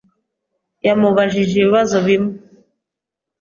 Yamubajije ibibazo bimwe.